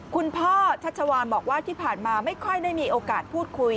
ชัชวานบอกว่าที่ผ่านมาไม่ค่อยได้มีโอกาสพูดคุย